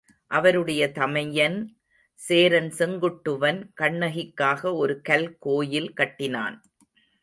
அவருடைய தமையன் சேரன் செங்குட்டுவன் கண்ணகிக்காக ஒரு கல் கோயில் கட்டினான்.